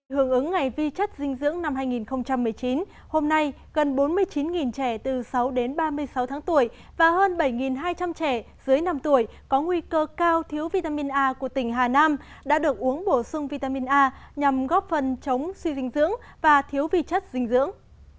hướng ứng ngày vi chất dinh dưỡng năm hai nghìn một mươi chín hôm nay gần bốn mươi chín trẻ từ sáu đến ba mươi sáu tháng tuổi và hơn bảy hai trăm linh trẻ dưới năm tuổi có nguy cơ cao thiếu vitamin a của tỉnh hà nam đã được uống bổ sung vitamin a nhằm góp phần chống suy dinh dưỡng và thiếu vi chất dinh dưỡng